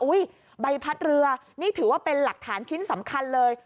ใบพัดเรือนี่ถือว่าเป็นหลักฐานชิ้นสำคัญเลย